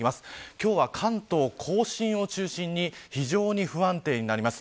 今日は、関東甲信を中心に非常に不安定になります。